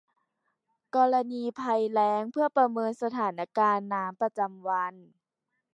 กรณีภัยแล้งเพื่อประเมินสถานการณ์น้ำประจำวัน